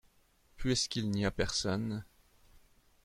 Puisqu’il n’y a personne.